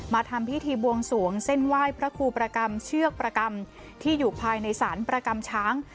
ทำพิธีบวงสวงเส้นไหว้พระครูประกรรมเชือกประกรรมที่อยู่ภายในศาลประกรรมช้าง